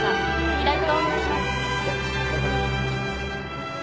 次ライト側お願いします。